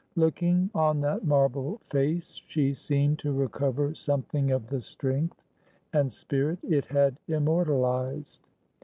Looking on that marble face, she seemed to recover something of the strength and spirit it had immortalised.